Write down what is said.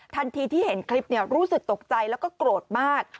ทันทีที่เห็นคลิปรู้สึกตกใจแล้วก็โกรธมาก